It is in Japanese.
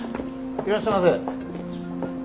いらっしゃいませ。